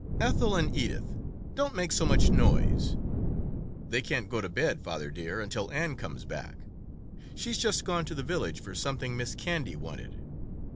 Ethel and Edith, don't make so much noise. They can't go to bed, father dear, until Ann comes back; she's just gone to the village for something Miss Candy wanted."